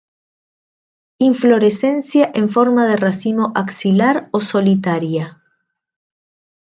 Inflorescencia en forma de racimo axilar o solitaria.